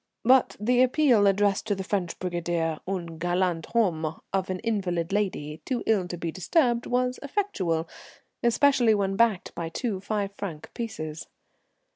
But the appeal addressed to the French brigadier, "un galant homme," of an invalid lady, too ill to be disturbed, was effectual, especially when backed by two five franc pieces.